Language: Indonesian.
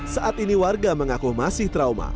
saat ini warga mengaku masih trauma